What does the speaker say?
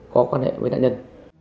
có quan hệ với nạn nhân